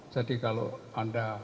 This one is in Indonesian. jadi kalau anda